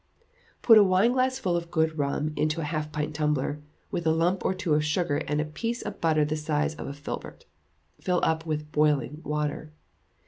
Put a wineglassful of good rum into a half pint tumbler, with a lump or two of sugar and a piece of butter the size of a filbert. Fill up with boiling water.